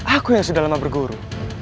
aku yang sudah lama berguru